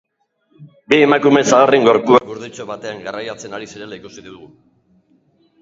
Bi emakume zaharren gorpuak gurditxo batean garraiatzen ari zirela ikusi dugu.